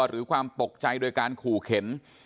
หรือความตกใจโดยการขู่เข็น